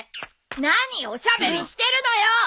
何おしゃべりしてるのよ！